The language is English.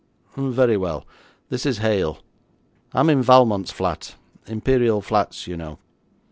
Very well. This is Hale. I am in Valmont's flat Imperial Flats you know.